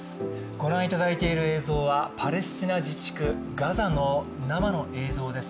御覧いただいている映像はパレスチナ・ガザ地区の生の映像です。